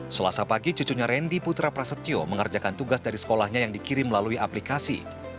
selasa pagi cucunya randy putra prasetyo mengerjakan tugas dari sekolahnya yang dikirim melalui aplikasi